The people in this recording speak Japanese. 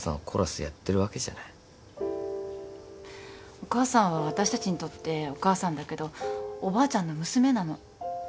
お母さんは私たちにとってお母さんだけどおばあちゃんの娘なの。